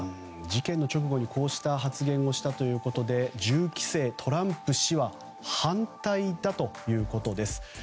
事件の直後にこうした発言をしたということで銃規制、トランプ氏は反対だということです。